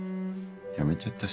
辞めちゃったし。